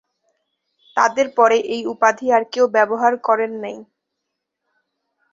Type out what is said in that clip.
তাদের পরে এই উপাধি আর কেউ ব্যবহার করেন নাই।